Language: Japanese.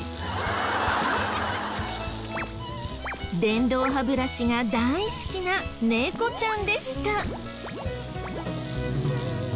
電動歯ブラシが大好きな猫ちゃんでした。